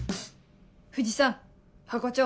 藤さんハコ長